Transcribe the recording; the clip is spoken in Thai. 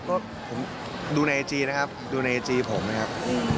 ก็ดูในอาจีตนะครับดูในอาจีตผมนะครับ